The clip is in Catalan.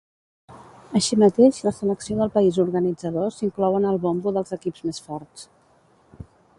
Així mateix la selecció del país organitzador s'inclou en el bombo dels equips més forts.